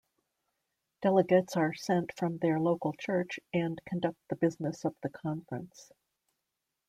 Delegates are sent from their local church and conduct the business of the Conference.